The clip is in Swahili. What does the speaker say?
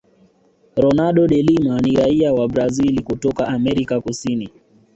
ronaldo delima ni rai wa brazil kutoka amerika kusini